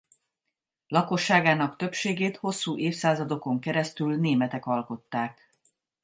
Lakosságának többségét hosszú évszázadokon keresztül németek alkották.